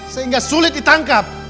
sehingga sulit ditangkap